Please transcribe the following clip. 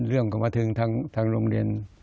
เรื่องของมาถึงทางโรงเรียน